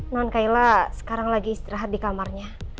namun kaila sekarang lagi istirahat di kamarnya